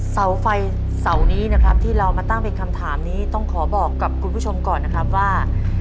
เสาไฟเสานี้นะครับที่เรามาตั้งเป็นคำถามนี้ต้องขอบอกกับคุณผู้ชมก่อนนะครับว่า